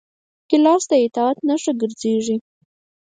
ګیلاس د اطاعت نښه ګرځېږي.